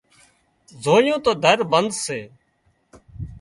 زويون تو در بند سي